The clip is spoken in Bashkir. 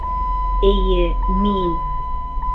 Эйе, мин!